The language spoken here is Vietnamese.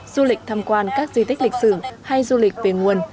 du lịch thăm quan các di tích lịch sử hay du lịch về nguồn